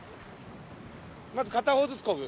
まず片方ずつ漕ぐ。